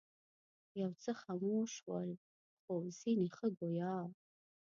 یو څه خموش ول خو ځینې ښه ګویا.